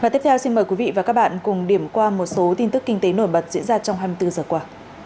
tiếp theo xin mời quý vị và các bạn cùng điểm qua một số tin tức kinh tế nổi bật diễn ra trong hai mươi bốn giờ qua